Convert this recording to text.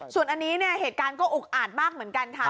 ส่วนอันนี้เนี่ยเหตุการณ์ก็อุกอาจมากเหมือนกันค่ะ